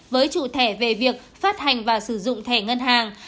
với chủ thẻ về việc phát hành và sử dụng thẻ ngân hàng